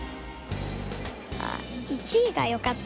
１位がよかった。